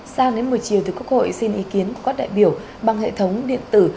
sáng đến buổi chiều quốc hội xin ý kiến các đại biểu bằng hệ thống điện tử